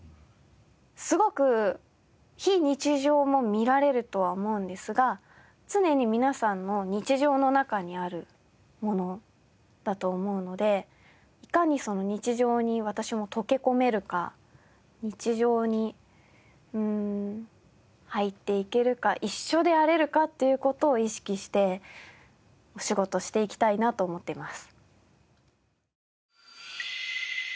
すごく非日常も見られるとは思うんですが常に皆さんの日常の中にあるものだと思うのでいかにその日常に私も溶け込めるか日常に入っていけるか一緒であれるかっていう事を意識してお仕事していきたいなと思ってます。